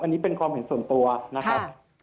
อันนี้เป็นความเห็นส่วนตัวนะครับ